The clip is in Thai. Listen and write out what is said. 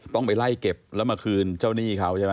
ต้องไปไล่เก็บแล้วมาคืนเจ้าหนี้เขาใช่ไหม